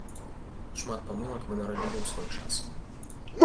Шмат памылак мы нарабілі ў свой час.